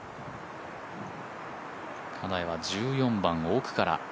金谷は１４番、奥から。